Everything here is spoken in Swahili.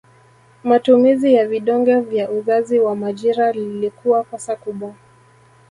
Matumizi ya vidonge vya uzazi wa majira lilikuwa kosa kubwa